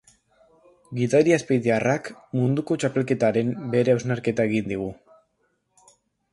Gidari azpeitiarrak munduko txapelketaren bere hausnarketa egin digu.